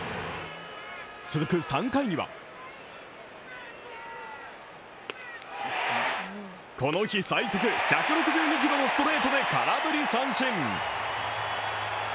続く３回にはこの日最速１６２キロのストレートで空振り三振。